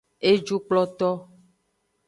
Ejukploto.